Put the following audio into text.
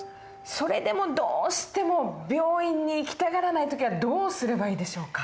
それでもどうしても病院に行きたがらない時はどうすればいいでしょうか？